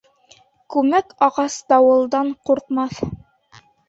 Күмәк ағас дауылдан ҡурҡмаҫ.